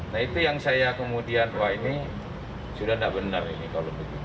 nah itu yang saya kemudian wah ini sudah tidak benar ini kalau begitu